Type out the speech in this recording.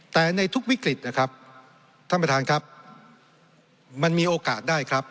แต่ในทุกวิกฤตนะครับท่านประธานครับมันมีโอกาสได้ครับ